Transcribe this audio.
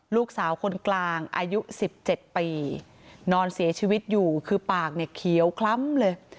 ลูกสาวคนกลางอายุ๑๗ปีนอนเสียชีวิตอยู่คือปากเนี่ยเขียวคล้ำเลย